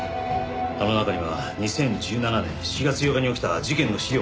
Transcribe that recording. あの中には２０１７年４月８日に起きた事件の資料も入っていました。